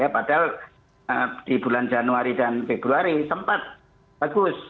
padahal di bulan januari dan februari sempat bagus